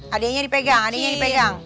adiknya dipegang adiknya dipegang